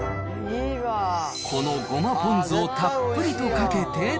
このごまポン酢をたっぷりとかけて。